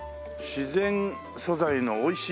「自然素材のおいしい」。